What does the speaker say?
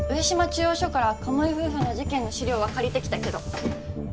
中央署から鴨居夫婦の事件の資料は借りてきたけど。